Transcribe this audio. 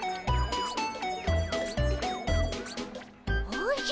おじゃ！